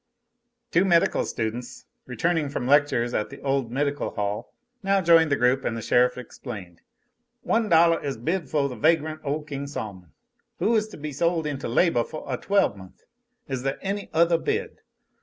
Two medical students, returning from lectures at the old Medical Hall, now joined the group, and the sheriff explained: "One dollah is bid foh the vagrant ole King Sol'mon, who is to be sole into labah foh a twelvemonth. Is there any othah bid?